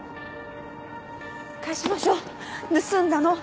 返しましょう盗んだの